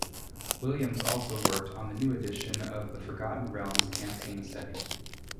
Williams also worked on the new edition of the Forgotten Realms campaign setting.